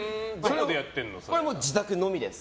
これは自宅のみです。